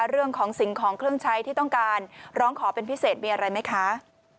เรื่องของสิ่งของเครื่องใช้ที่ต้องการร้องขอเป็นพิเศษมีอะไรไหมคะ